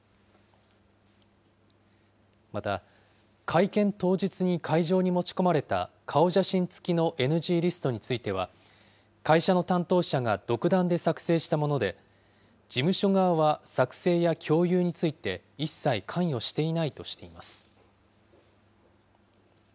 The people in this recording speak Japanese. また、会見当日に会場に持ち込まれた顔写真付きのＮＧリストについては、会社の担当者が独断で作成したもので、事務所側は作成や共有について一切関与していないとしています。